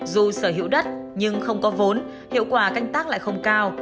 dù sở hữu đất nhưng không có vốn hiệu quả canh tác lại không cao